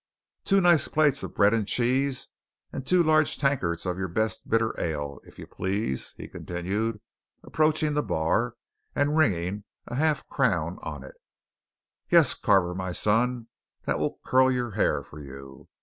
Two nice plates of bread and cheese, and two large tankards of your best bitter ale, if you please," he continued, approaching the bar and ringing a half crown on it. "Yes, Carver, my son that will curl your hair for you.